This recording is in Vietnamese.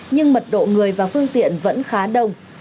nhưng mật độ người và phương tiện vẫn khá đông